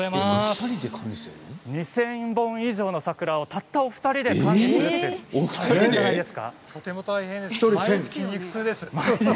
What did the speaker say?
２０００本以上の桜をたったお二人で管理するってとても大変です毎日筋肉痛です。